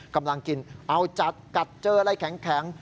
กำลังกินเอาจัดกัดเจออะไรแข็ง